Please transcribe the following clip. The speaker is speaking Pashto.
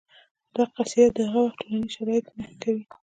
دا قصیده د هغه وخت ټولنیز شرایط په نښه کوي